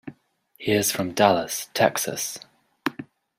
He is from Dallas, Texas.